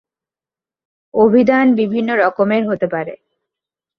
অভিধান বিভিন্ন রকমের হতে পারে।